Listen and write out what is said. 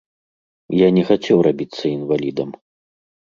Я не хацеў рабіцца інвалідам.